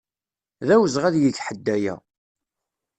D awezɣi ad yeg ḥedd aya.